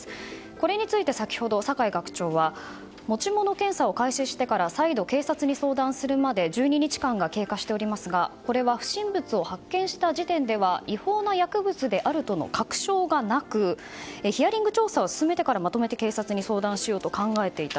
これについて先ほど酒井学長は持ち物検査を開始してから再度警察に相談するまで１２日間が経過しておりますがこれは不審物を発見した時点では違法な薬物であるとの確証がなくヒアリング調査を進めてからまとめて警察に相談しようと考えていた。